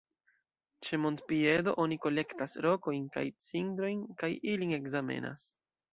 Ĉe montpiedo oni kolektas rokojn kaj cindrojn kaj ilin ekzamenas.